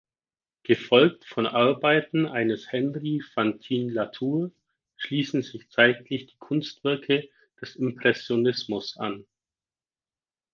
Gefolgt von Arbeiten eines Henri Fantin-Latour schließen sich zeitlich die Kunstwerke des Impressionismus an.